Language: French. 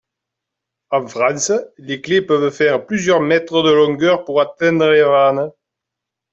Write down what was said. En France, les clés peuvent faire plusieurs mètres de longueur pour atteindre les vannes.